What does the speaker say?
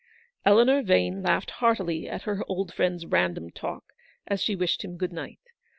" Eleanor Yane laughed heartily at her old friend's random talk, as she wished him good night.